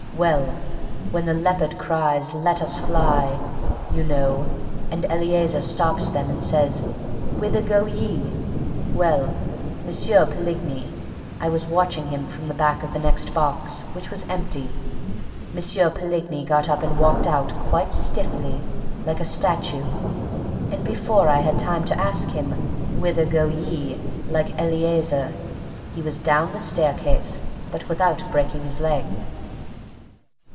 Well, when Leopold cries, 'Let us fly!' you know and Eleazer stops them and says, 'Whither go ye?' ... well, M. Poligny I was watching him from the back of the next box, which was empty M. Poligny got up and walked out quite stiffly, like a statue, and before I had time to ask him, 'Whither go ye?' like Eleazer, he was down the staircase, but without breaking his leg.